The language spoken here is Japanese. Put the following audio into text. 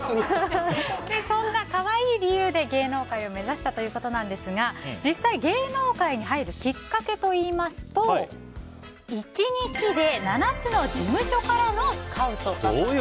そんな可愛い理由で芸能界を目指したということですが実際、芸能界に入るきっかけといいますと１日で７つの事務所からのスカウト。